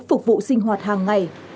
phục vụ sinh hoạt hàng ngày